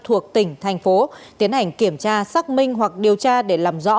thuộc tỉnh thành phố tiến hành kiểm tra xác minh hoặc điều tra để làm rõ